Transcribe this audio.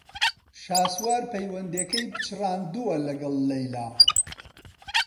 شاسوار پەیوەندییەکەی پچڕاندووە لەگەڵ لەیلا.